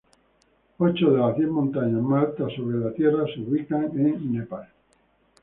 Ocho de las diez montañas más altas sobre la Tierra se ubican en Nepal.